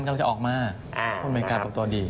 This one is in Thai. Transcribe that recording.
กำลังจะออกมามันเป็นการปรับตัวดี